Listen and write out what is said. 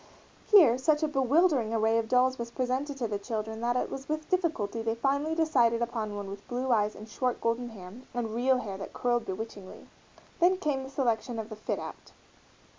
Here such a bewildering array of dolls was presented to the children that it was with difficulty they finally decided upon one with blue eyes and short golden hair, and real hair that curled bewitchingly. Then came the selection of the "fit out."